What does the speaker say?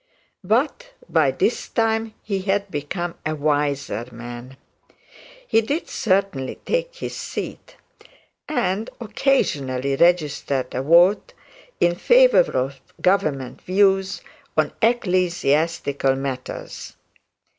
But by this time, he had become a wiser man. He did certainly take his seat, and occasionally registered a vote in favour of Government view on ecclesiastical matters.